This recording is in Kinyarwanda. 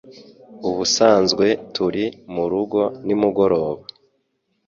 Ubusanzwe turi murugo nimugoroba.